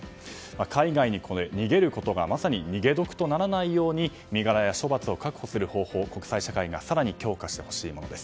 海外に逃げることがまさに逃げ得とならないように身柄や処罰を確保する方法を国際社会が更に強化してほしいものです。